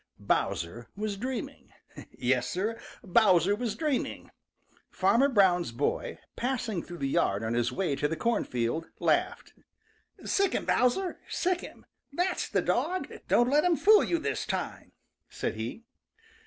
Bowser was dreaming. Yes, Sir, Bowser was dreaming. Farmer Brown's boy, passing through the yard on his way to the cornfield, laughed. "Sic him, Bowser! Sic him! That's the dog! Don't let him fool you this time," said he.